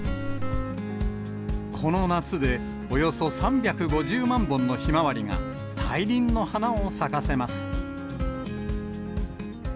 この夏でおよそ３５０万本のひまわりが大輪の花を咲かせます。